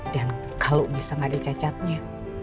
dan kalau bisa gak ada cacatnya